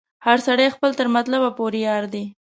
هر سړی خپل تر مطلبه پوري یار دی